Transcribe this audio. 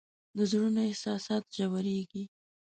د زړونو احساسات ژورېږي